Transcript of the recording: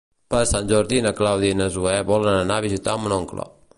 Per Sant Jordi na Clàudia i na Zoè volen anar a visitar mon oncle.